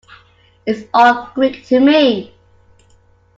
It's all Greek to me.